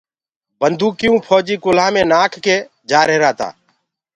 بنٚدوڪيٚئونٚ ڦوجيٚ ڪُلهآ مينٚ نآک ڪي جآريهرآ تآ